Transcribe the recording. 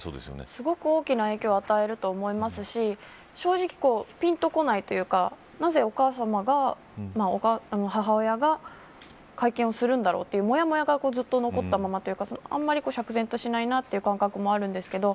すごく大きな影響を与えると思いますし、正直ピンとこないというかなぜ、お母さまが会見をするんだろうというもやもやがずっと残ったままというかあんまり釈然としないなという感覚もあるんですけど